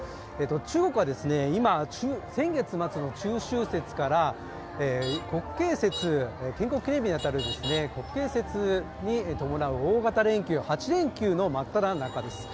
中国は今、先月末の中秋節から建国記念日に当たる国慶節に伴う大型連休、８連休の真っただ中です。